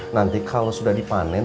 nanti kalau sudah dipanen